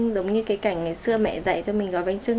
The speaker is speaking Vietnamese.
giống như cái cảnh ngày xưa mẹ dạy cho mình gói bánh trưng